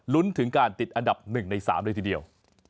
ลุ้นถึงการติดอันดับ๑ใน๓ด้วยทีเดียว